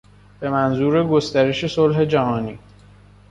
بهمنظور گسترش صلح جهانی